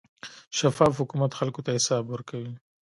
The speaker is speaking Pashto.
شفاف حکومت خلکو ته حساب ورکوي.